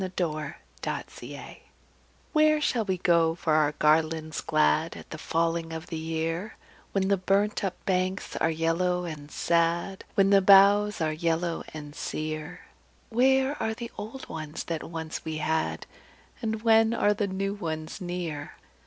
A Song of Autumn "Where shall we go for our garlands glad At the falling of the year, When the burnt up banks are yellow and sad, When the boughs are yellow and sere? Where are the old ones that once we had, And when are the new ones near?